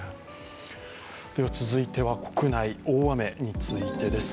続いては国内、大雨についてです。